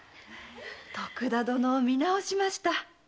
徳田殿を見直しました。